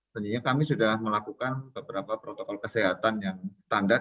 tentunya kami sudah melakukan beberapa protokol kesehatan yang standar